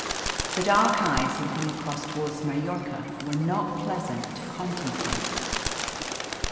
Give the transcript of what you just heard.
The dark eyes looking across towards Majorca were not pleasant to contemplate.